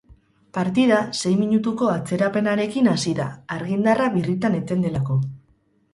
Partida sei minutuko atzerapenarekin hasi da, argindarra birritan eten delako.